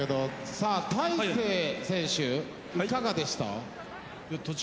さあ大勢選手いかがでした？